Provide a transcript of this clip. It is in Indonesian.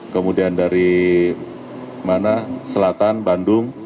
kemudian dari mana selatan bandung